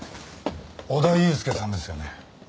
小田悠介さんですよね。